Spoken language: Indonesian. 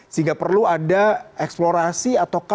sehingga perlu ada eksplorasi atau kapasitas